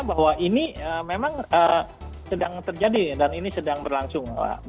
bahwa ini memang sedang terjadi dan ini sedang berlangsung